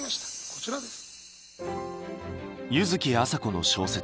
こちらです。